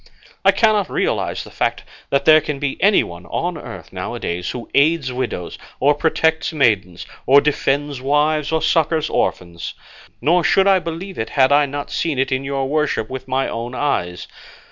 I cannot realise the fact that there can be anyone on earth now a days who aids widows, or protects maidens, or defends wives, or succours orphans; nor should I believe it had I not seen it in your worship with my own eyes.